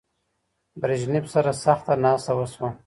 برژنیف سره سخته ناسته وشوه.